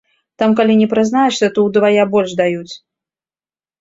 Там калі не прызнаешся, то ўдвая больш даюць.